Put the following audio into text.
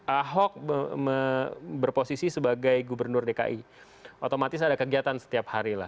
ahok berposisi sebagai gubernur dki otomatis ada kegiatan setiap hari lah